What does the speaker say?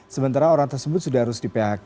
sementara orang tersebut sudah harus di phk